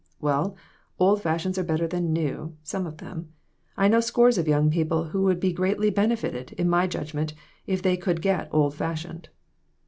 "Well, old fashions are better than new some of them. I know scores of young people who would be greatly benefited, in my judgment, if they could get old fashioned."